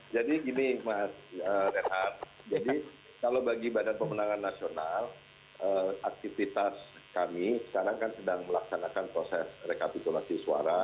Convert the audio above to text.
jadi gini mas renhar kalau bagi badan pemenangan nasional aktivitas kami sekarang kan sedang melaksanakan proses rekapitulasi suara